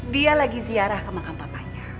dia lagi ziarah ke makam papanya